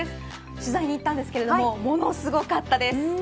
取材に行ったんですけれどもものすごかったです。